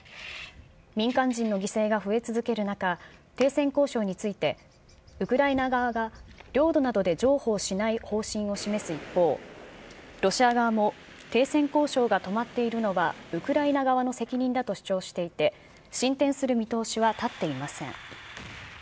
民間人の犠牲が増え続ける中、停戦交渉について、ウクライナ側が領土などで譲歩をしない方針を示す一方、ロシア側も停戦交渉が止まっているのは、ウクライナ側の責任だと主張していて、進展する見通しは立っていません。